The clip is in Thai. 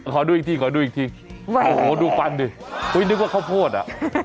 ขอดูอีกที่ดูปันดิอุ้ยนึกว่าข้าวโพดอ่ะ